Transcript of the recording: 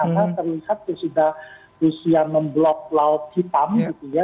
karena terlihat sudah usia memblok laut hitam gitu ya